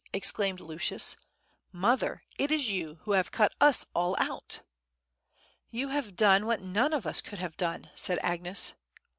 exclaimed Lucius. "Mother, it is you who have cut us all out." "You have done what none of us could have done," said Agnes.